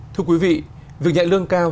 thưa quý vị việc nhẹ lương cao